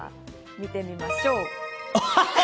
見てみましょう。